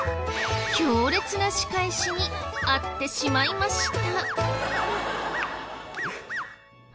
強烈な仕返しに遭ってしまいました。